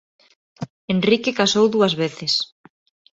Henrique casou dúas veces.